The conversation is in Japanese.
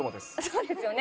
そうですよね。